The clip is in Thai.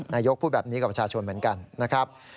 นายกพูดแบบนี้กับประชาชนเหมือนกันนะครับ